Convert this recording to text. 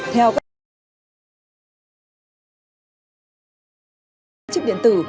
theo các đối tư có thể bảo vệ các chiếc điện tử